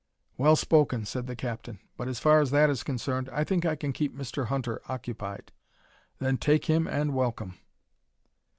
"Well spoken!" said the captain. "But as far as that is concerned, I think I can keep Mr. Hunter occupied." "Then take him, and welcome!"